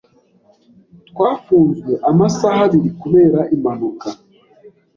Twafunzwe amasaha abiri kubera impanuka.